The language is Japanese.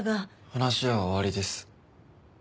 話は終わりです。